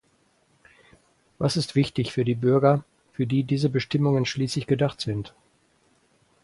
Was ist wichtig für die Bürger, für die diese Bestimmungen schließlich gedacht sind?